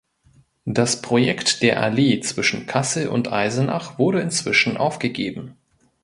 Das Projekt der Allee zwischen Kassel und Eisenach wurde inzwischen aufgegeben.